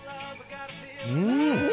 うん！